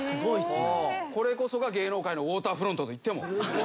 これこそが芸能界のウオーターフロントと。